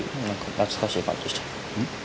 懐かしい感じでした。